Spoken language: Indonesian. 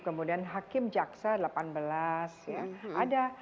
kemudian hakim jaksa delapan belas ya ada